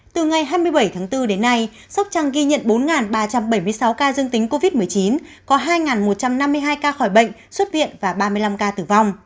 từ ngày hai mươi bảy tháng bốn đến nay sóc trăng ghi nhận bốn ba trăm bảy mươi sáu ca dương tính covid một mươi chín có hai một trăm năm mươi hai ca khỏi bệnh xuất viện và ba mươi năm ca tử vong